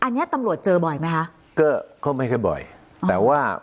อันเนี้ยตำรวจเจอบ่อยไหมฮะก็เขาก็ไม่ใช่บ่อยแต่ว่า